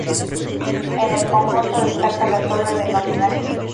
En el conjunto destaca la torre del homenaje.